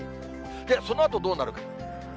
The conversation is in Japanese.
そのあとどうなるか。